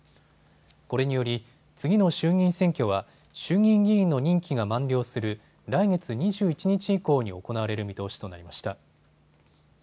これにより次の衆議院選挙は衆議院議員の任期が満了する来月２１日以降に行われる見通しとなりました。